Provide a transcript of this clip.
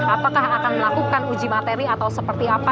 apakah akan melakukan uji materi atau seperti apa